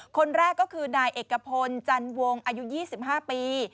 คนแรกก็คือนายเอกพลจันวงอายุ๒๕ปี